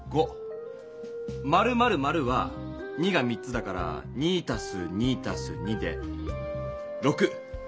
○○○は２が３つだから２＋２＋２で６。